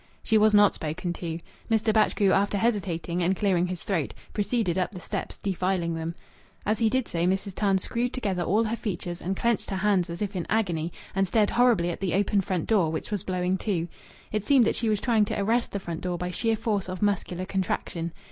She was not spoken to. Mr. Batchgrew, after hesitating and clearing his throat, proceeded up the steps, defiling them. As he did so Mrs. Tams screwed together all her features and clenched her hands as if in agony, and stared horribly at the open front door, which was blowing to. It seemed that she was trying to arrest the front door by sheer force of muscular contraction.